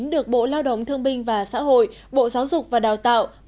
được bộ lao động thương binh và xã hội bộ giáo dục và đào tạo